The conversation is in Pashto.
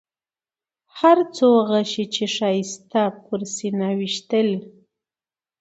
هر څو غشي چې ښایسته پر سینه ویشتلي.